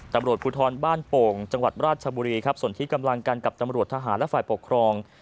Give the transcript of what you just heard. ตำรวจภูทรบ้านโป่งจังหวัดราชบุรีครับส่วนที่กำลังกันกับตำรวจทหารและฝ่ายปกครอง